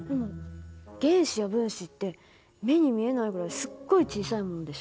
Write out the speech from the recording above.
でも原子や分子って目に見えないぐらいすっごい小さいものでしょ。